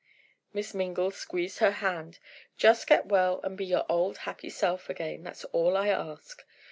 Miss Mingle squeezed her hand. "Just get well and be your old, happy self again, that's all I ask."